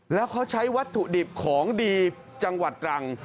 แล้วเขาใช้วัตถุดิบของดีจังหวัดตรัง